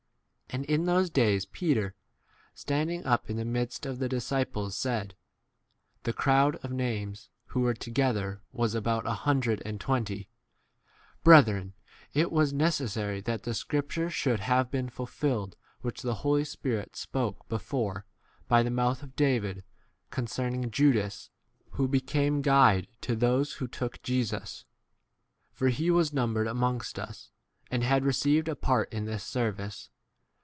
And in those days Peter, standing up in the midst of the disciples, h said, (the crowd of names [who .were] together [was] about a hundred and 18 twenty,) Brethren, * it was neces sary that the scripture should have been fulfilled which the Holy Spirit spoke before, by the mouth of David, concerning Judas, who became guide to those who took *' Jesus ; for he was numbered amongstJ us, and had received a 1S part in this service.